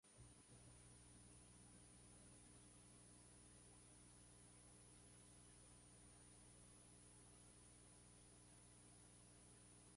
La canción fue co-producida por Shakira y The Neptunes.